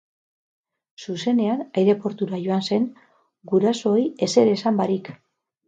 Zuzenean aireportura joan zen, gurasoei ezer esan barik.